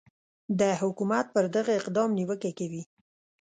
د حکومت پر دغه اقدام نیوکه کوي